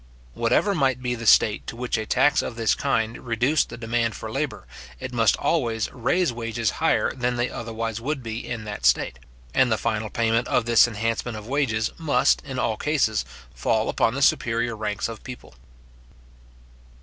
Whatever might be the state to which a tax of this kind reduced the demand for labour, it must always raise wages higher than they otherwise would be in that state; and the final payment of this enhancement of wages must, in all cases, fall upon the superior ranks of people.